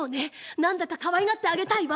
なんだかかわいがってあげたいわ。